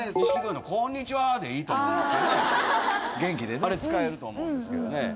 錦鯉の「こんにちは！」でいいと思うんですけどね。